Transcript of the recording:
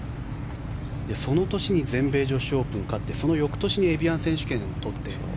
その年に全米女子オープン勝ってその翌年にエビアン選手権を取って。